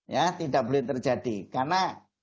ya tidak boleh terjadi karena